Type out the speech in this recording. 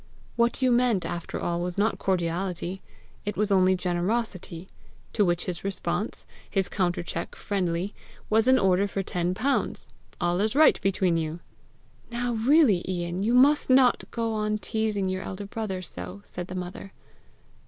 What you meant, after all, was not cordiality; it was only generosity; to which his response, his countercheck friendly, was an order for ten pounds! All is right between you!" "Now, really, Ian, you must not go on teasing your elder brother so!" said the mother.